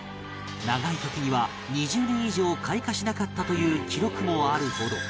長い時には２０年以上開花しなかったという記録もあるほど